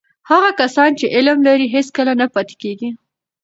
هغه کسان چې علم لري، هیڅکله نه پاتې کېږي.